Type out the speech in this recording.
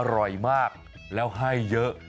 อร่อยมากแล้วให้เยอะ